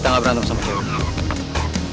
lu gak berantem sama cewek